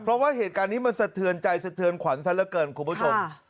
เพราะว่าเหตุการณ์นี้มันสะเทือนใจสะเทือนขวัญซะละเกินคุณผู้ชม